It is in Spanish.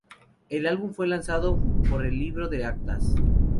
El álbum fue lanzado por el Libro de Actas.